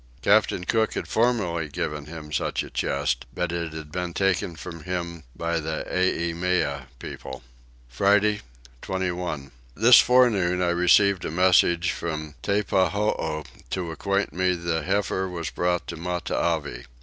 Captain Cook had formerly given him such a chest but it had been taken from him by the Eimeo people. Friday 21. This forenoon I received a message from Teppahoo to acquaint me the heifer was brought to Matavai.